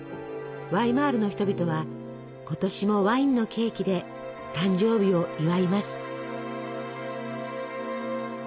ワイマールの人々は今年もワインのケーキで誕生日を祝います。